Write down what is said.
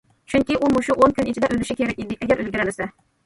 چۈنكى ئۇ مۇشۇ ئون كۈن ئىچىدە« ئۆلۈشى» كېرەك ئىدى، ئەگەر ئۈلگۈرەلىسە.